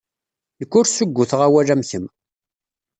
Nekk ur ssugguteɣ awal am kemm.